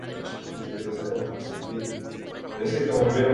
El mayor peligro de las redes de pares es la diversificación